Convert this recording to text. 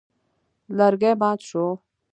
لرګی مات شو.